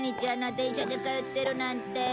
電車で通ってるなんて。